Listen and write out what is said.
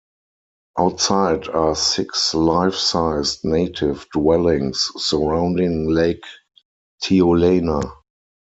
Outside are six life-sized Native dwellings surrounding Lake Tiulana.